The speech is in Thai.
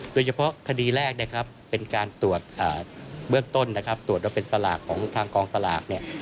โดยเฉพาะคดีแรกนะครับเป็นการตรวจเบื้องต้นนะครับตรวจว่าเป็นสลากของทางกองสลากเนี่ย